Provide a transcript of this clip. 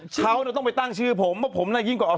เขาต้องไปตั้งชื่อผมผมน่ะยิ่งกว่า